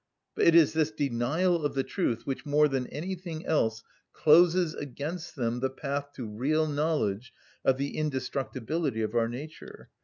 But it is this denial of the truth which more than anything else closes against them the path to real knowledge of the indestructibility of our nature.